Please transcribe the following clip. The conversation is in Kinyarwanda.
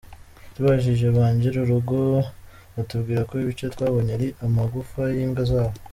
Tubajije banjiri urugo batubwira ko ibice twabonye ari amagufa y’imbwa zabo.